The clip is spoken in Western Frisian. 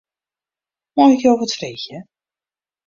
Mei ik jo wat freegje?